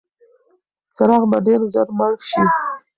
څراغ به ډېر ژر مړ شي.